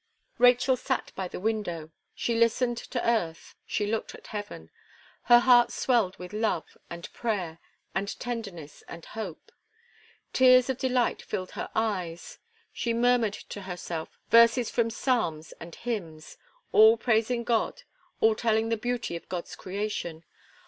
Rachel sat by the window. She listened to earth: she looked at Heaven. Her heart swelled with love, and prayer, and tenderness, and hope. Tears of delight filled her eyes; she murmured to herself verses from psalms and hymns all praising God, all telling the beauty of God's creation.